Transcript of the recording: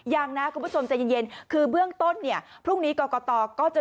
ยังนะคุณผู้ชมใจเย็นคือเบื้องต้นเนี่ยพรุ่งนี้กรกตก็จะ